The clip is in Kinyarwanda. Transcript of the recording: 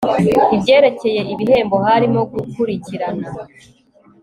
ibyerekeye ibihembo harimo gukurikirana